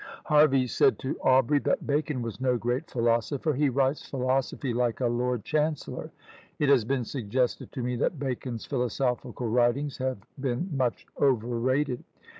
Harvey said to Aubrey, that "Bacon was no great philosopher; he writes philosophy like a lord chancellor." It has been suggested to me that Bacon's philosophical writings have been much overrated.